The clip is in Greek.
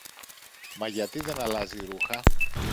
Μα γιατί δεν αλλάζει ρούχα;